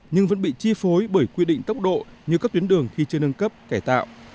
nhưng vẫn bị chi phối bởi quy định tốc độ như các tuyến đường khi chưa nâng cấp cải tạo